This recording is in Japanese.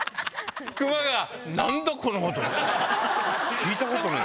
「聞いたことない」。